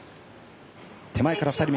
手前から２人目。